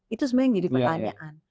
itu sebenarnya yang jadi pertanyaan